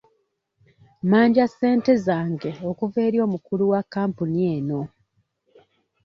Mmanja ssente zange okuva eri omukulu wa kampuni eno.